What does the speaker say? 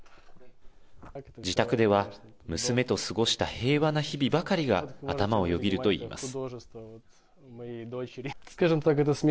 自宅では、娘と過ごした平和な日々ばかりが頭をよぎるといいます。